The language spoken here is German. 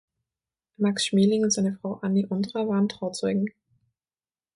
Max Schmeling und seine Frau Anny Ondra waren Trauzeugen.